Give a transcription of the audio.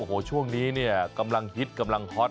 โอ้โหช่วงนี้เนี่ยกำลังฮิตกำลังฮอต